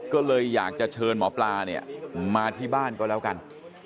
ก็เลยอยากจะเชิญหมอปลาเนี่ยมาที่บ้านก็แล้วกัน